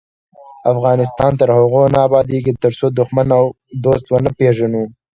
افغانستان تر هغو نه ابادیږي، ترڅو دښمن او دوست ونه پیژنو.